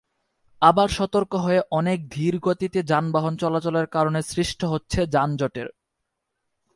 আবার সতর্ক হয়ে অনেক ধীর গতিতে যানবাহন চলাচলের কারণে সৃষ্টি হচ্ছে যানজটের।